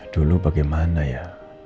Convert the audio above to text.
dulu bagaimana ya